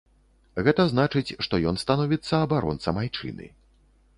Гэта значыць, што ён становіцца абаронцам айчыны.